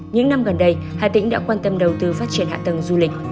những năm gần đây hà tĩnh đã quan tâm đầu tư phát triển hạ tầng du lịch